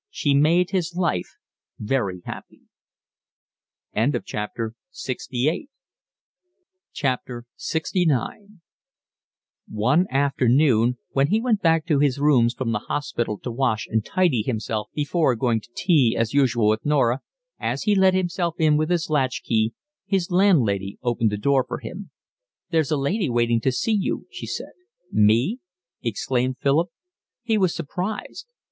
She made his life very happy. LXIX One afternoon, when he went back to his rooms from the hospital to wash and tidy himself before going to tea as usual with Norah, as he let himself in with his latch key, his landlady opened the door for him. "There's a lady waiting to see you," she said. "Me?" exclaimed Philip. He was surprised.